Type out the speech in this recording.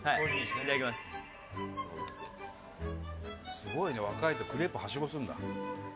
すごいね、若いとクレープはしごするんだ。